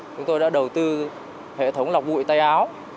chúng tôi đã đầu tư hệ thống lọc bụi tay áo